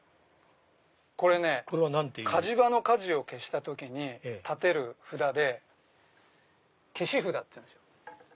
これね火事場の火事を消した時に立てる札で消し札っていうんです。